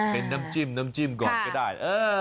เป็นน้ำจิ้มน้ำจิ้มก่อนก็ได้